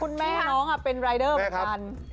น้องเป็นรายเดอร์เหมือนกัน